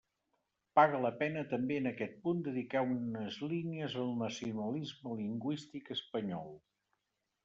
Paga la pena també en aquest punt dedicar unes línies al nacionalisme lingüístic espanyol.